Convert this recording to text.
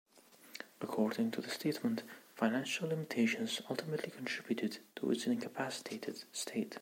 According to the statement, "financial limitations ultimately contributed to its incapacitated state".